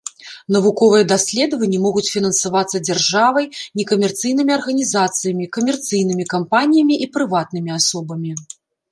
Навуковыя даследаванні могуць фінансавацца дзяржавай, некамерцыйнымі арганізацыямі, камерцыйнымі кампаніямі і прыватнымі асобамі.